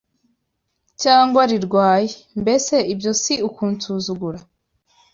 cyangwa rirwaye, mbese ibyo si ukunsuzugura?